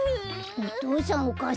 お父さんお母さん